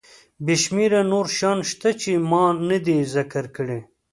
بې شمېره نور شیان شته چې ما ندي ذکر کړي.